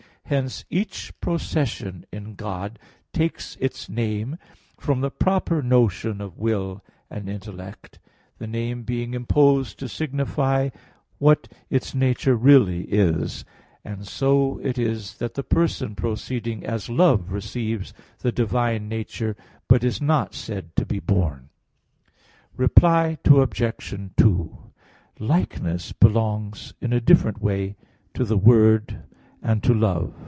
Hence, each procession in God takes its name from the proper notion of will and intellect; the name being imposed to signify what its nature really is; and so it is that the Person proceeding as love receives the divine nature, but is not said to be born. Reply Obj. 2: Likeness belongs in a different way to the word and to love.